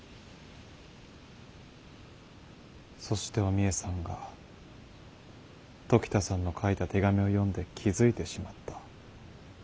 そしてお三枝さんが時田さんの書いた手紙を読んで気付いてしまった。